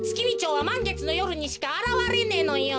はまんげつのよるにしかあらわれねえのよ。